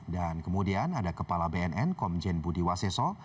dan kemudian ada kepala bnn komjen budi waseso